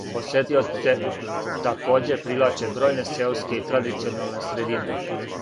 Посетиоце такође привлаче бројне сеоске и традиционалне средине.